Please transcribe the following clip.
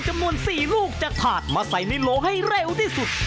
จำนวน๔ลูกจากถาดมาใส่ในโลให้เร็วที่สุด